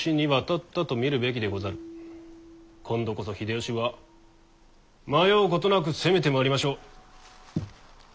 今度こそ秀吉は迷うことなく攻めてまいりましょう。